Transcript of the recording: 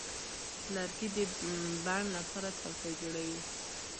لرګی د بڼ لپاره څوکۍ جوړوي.